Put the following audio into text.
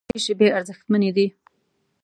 نو د ژوند ډېرې شیبې ارزښتمنې دي.